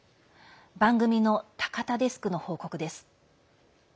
番組の高田デスクの報告です。